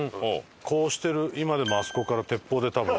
こうしてる今でもあそこから鉄砲で多分。